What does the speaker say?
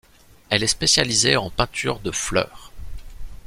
Elle est spécialisée en peinture de fleurs.